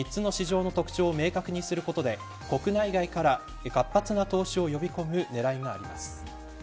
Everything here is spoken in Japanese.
当初は、３つの市場の特徴を明確にすることで、国内外から活発な投資を呼び込むねらいがあります。